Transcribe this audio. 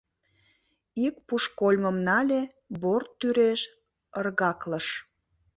Ик пушкольмым нале, борт тӱреш ыргаклыш.